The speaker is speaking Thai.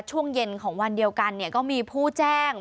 ช่วงเย็นของวันเดียวกันก็มีผู้แจ้ง